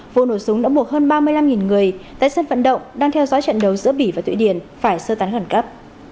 vụ nổ súng đã buộc hơn ba mươi năm người tại sân vận động đang theo dõi trận đấu giữa bỉ và thụy điển phải sơ tán khẩn cấp